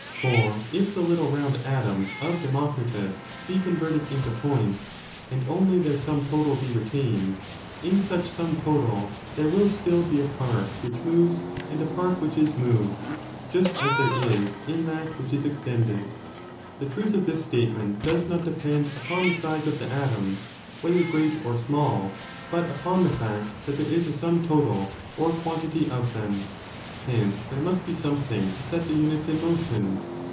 For if the little round atoms of Democritus be converted into points and only their sum total be retained, in such sum total there will still be a part which moves and a part which is moved, just as there is in that which is extended. The truth of this statement does not depend upon the size of the atoms, whether great or small, but upon the fact that there is a sum total or quantity of them. Hence there must be something to set the units in motion.